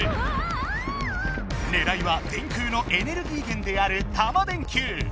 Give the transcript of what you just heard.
ねらいは電空のエネルギー源であるタマ電Ｑ。